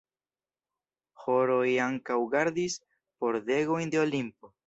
Horoj ankaŭ gardis pordegojn de Olimpo.